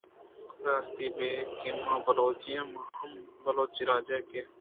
راستی بے کہ ما بلوچ ایں ءُ ما ھما راج ایں کہ